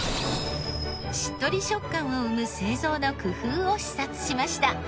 しっとり食感を生む製造の工夫を視察しました。